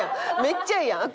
めっちゃいいやん。